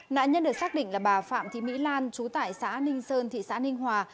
nạn nhân được xác định là bà phạm thị mỹ lan trú tại xã ninh sơn thị xã ninh hòa